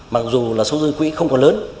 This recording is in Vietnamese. mặc dù là số dư quỹ không còn lớn